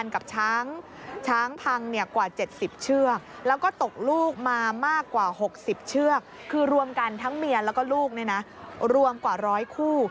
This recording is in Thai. คือรวมกันทั้งเมียแล้วก็ลูกรวมกว่าร้อยคู่